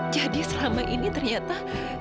jadi selama ini ternyata